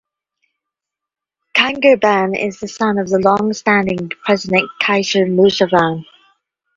Kainerugaba is the son of the long-standing President Yoweri Museveni.